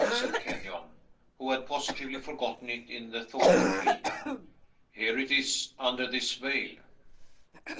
said Kenyon, who had positively forgotten it in the thought of Hilda; "here it is, under this veil."